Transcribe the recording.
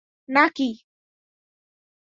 না, কি?